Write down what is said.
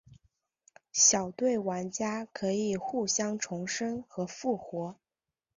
小队玩家可以互相重生和复活。